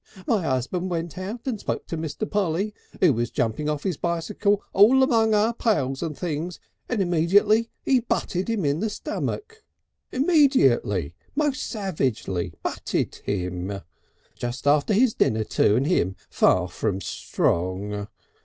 My husband went out and spoke to Mr. Polly, who was jumping off his bicycle all among our pails and things, and immediately 'e butted him in the stomach immediately most savagely butted him. Just after his dinner too and him far from strong.